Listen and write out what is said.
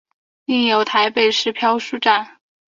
另有台北市漂书站。